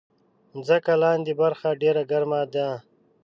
مځکه لاندې برخه ډېره ګرمه ده.